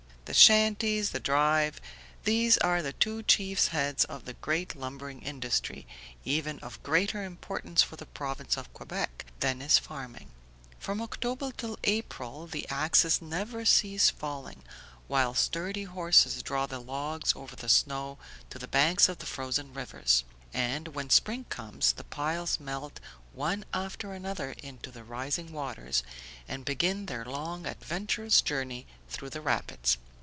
The shanties, the drive, these are the two chief heads of the great lumbering industry, even of greater importance for the Province of Quebec than is farming. From October till April the axes never cease falling, while sturdy horses draw the logs over the snow to the banks of the frozen rivers; and, when spring comes, the piles melt one after another into the rising waters and begin their long adventurous journey through the rapids.